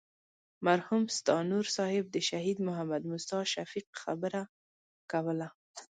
مرحوم ستانور صاحب د شهید محمد موسی شفیق خبره کوله.